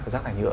rác thải nhựa